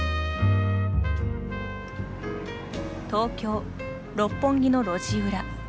東京、六本木の路地裏。